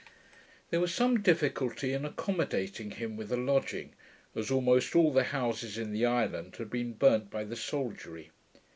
There was some difficulty in accommodating him with a lodging, as almost all the houses in the island had been burnt by soldiery.